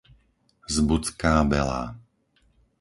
Zbudská Belá